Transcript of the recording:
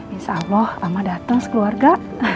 insya allah amak dateng sekeluarga